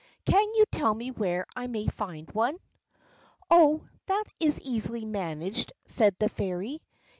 Can you tell me where I may find one?" "Oh, that is easily managed," said the Fairy.